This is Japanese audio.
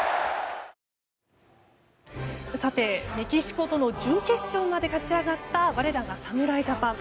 さて、メキシコとの準決勝まで勝ち上がった我らが侍ジャパン。